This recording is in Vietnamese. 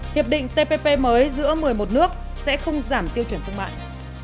hiệp định tpp mới giữa một mươi một nước sẽ không giảm tiêu chuẩn công mạng